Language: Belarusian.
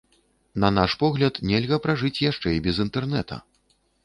На наш погляд, нельга пражыць яшчэ і без інтэрнэта.